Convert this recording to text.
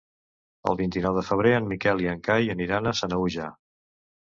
El vint-i-nou de febrer en Miquel i en Cai aniran a Sanaüja.